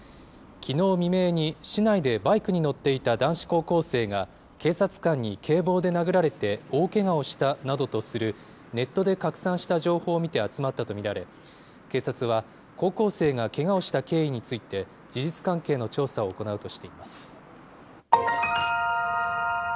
きのう未明に、市内でバイクに乗っていた男子高校生が、警察官に警棒で殴られて大けがをしたなどとする、ネットで拡散した情報を見て集まったと見られ、警察は高校生がけがをした経緯について、事実関係の調査を行うとしています。